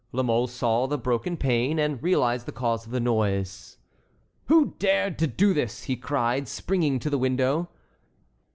La Mole saw the broken pane, and realized the cause of the noise. "Who dared to do this?" he cried, springing to the window.